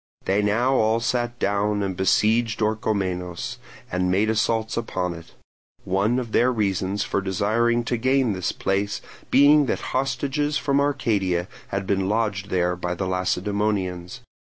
They now all sat down and besieged Orchomenos, and made assaults upon it; one of their reasons for desiring to gain this place being that hostages from Arcadia had been lodged there by the Lacedaemonians.